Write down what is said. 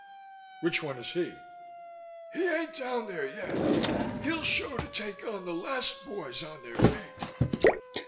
"Which one is he?" "He ain't down there yet; he'll show to take on the last boys on their feet."